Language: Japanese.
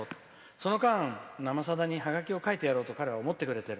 その間「生さだ」にハガキを書いてやろうと彼は思ってくれてる。